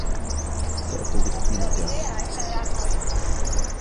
تعبتُ من الدراسة.